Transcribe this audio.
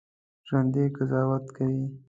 ژوندي قضاوت کوي